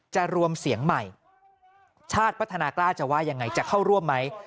รวมเสียงใหม่ชาติพัฒนากล้าจะว่ายังไงจะเข้าร่วมไหม